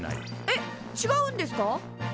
えっちがうんですか？